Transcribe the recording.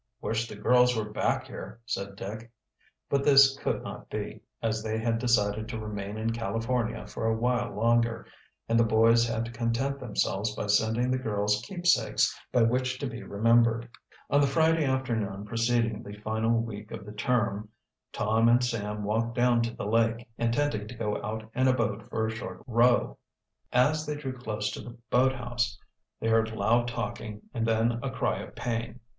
"Wish the girls were back here," said Dick. But this could not be, as they had decided to remain in California for a while longer, and the boys had to content themselves by sending the girls keepsakes by which to be remembered. On the Friday afternoon preceding the final week of the term Tom and Sam walked down to the lake, intending to go out in a boat for a short row. As they drew close to the boathouse they heard loud talking and then a cry of pain.